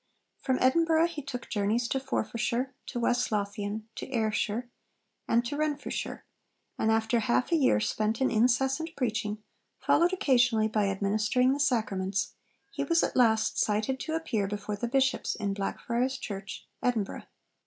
From Edinburgh he took journeys to Forfarshire, to West Lothian, to Ayrshire, and to Renfrewshire; and after half a year spent in incessant preaching, followed occasionally by administering the Sacraments, he was at last cited to appear before the bishops in the Blackfriars Church, Edinburgh.